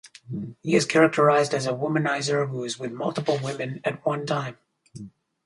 He is characterized as a womanizer who is with multiple women at one time.